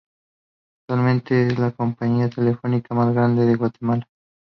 Actualmente es la compañía telefónica más grande de Guatemala.